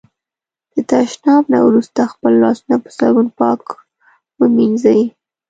د تشناب نه وروسته خپل لاسونه په صابون پاک ومېنځی.